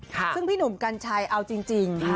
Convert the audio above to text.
ซึ่งพี่หนุ่มกัญชัยเอาจริง